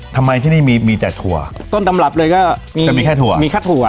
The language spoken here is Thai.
ทำไมที่นี่มีมีแต่ถั่วต้นตำรับเลยก็มีจะมีแค่ถั่วมีแค่ถั่ว